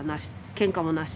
けんかもなし。